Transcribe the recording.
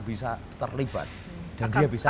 bisa terlibat dan dia bisa